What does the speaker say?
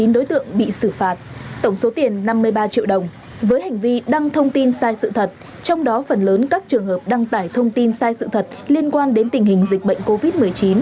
chín đối tượng bị xử phạt tổng số tiền năm mươi ba triệu đồng với hành vi đăng thông tin sai sự thật trong đó phần lớn các trường hợp đăng tải thông tin sai sự thật liên quan đến tình hình dịch bệnh covid một mươi chín